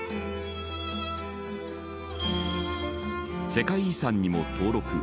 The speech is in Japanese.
世界遺産にも登録。